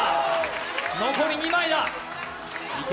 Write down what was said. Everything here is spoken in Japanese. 残り２枚だ。